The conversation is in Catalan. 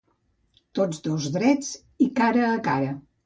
Tots dos drets i cara a cara